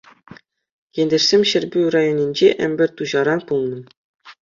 Ентешсем Ҫӗрпӳ районӗнчи Ӗмпӗрт Туҫаран пулнӑ.